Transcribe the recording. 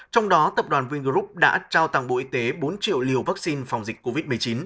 trong đó tập đoàn vingroup đã trao tặng bộ y tế bốn triệu liều vaccine phòng dịch covid một mươi chín